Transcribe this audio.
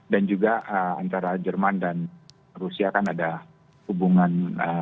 dan juga antara jerman dan rusia kan ada hubungan